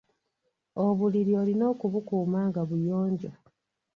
Obuliri olina okubukuuma nga buyonjo.